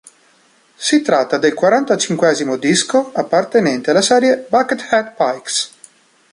Si tratta del quarantacinquesimo disco appartenente alla serie "Buckethead Pikes".